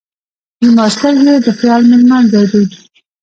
زما سترګې یې د خیال مېلمانځی دی.